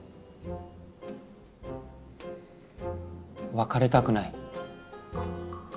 別れたくない。